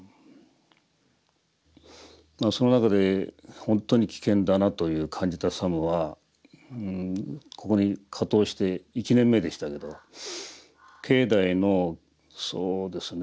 その中で本当に危険だなと感じた作務はここに掛搭して１年目でしたけど境内のそうですね